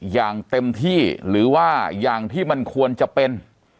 อย่างเต็มที่หรือว่าอย่างที่มันควรจะเป็น